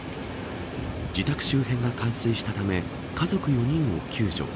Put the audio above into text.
自宅周辺が冠水したため家族４人を救助。